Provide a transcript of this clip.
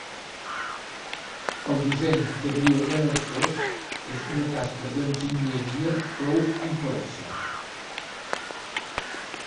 El disseny de bioreactors és una tasca d'enginyeria prou complexa.